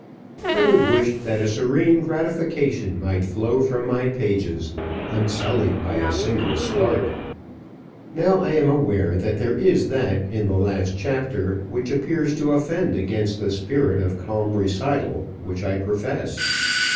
I would wish that a serene gratification might flow from my pages, unsullied by a single start. Now I am aware that there is that in the last chapter which appears to offend against the spirit of calm recital which I profess.